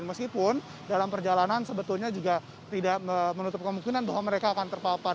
meskipun dalam perjalanan sebetulnya juga tidak menutup kemungkinan bahwa mereka akan terpapar